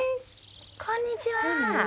こんにちは。